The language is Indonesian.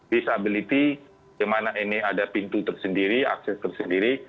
disability gimana ini ada pintu tersendiri akses tersendiri